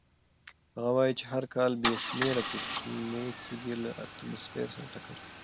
هغه وایي چې هر کال بې شمېره کوچنۍ تېږې له اتموسفیر سره ټکر کوي.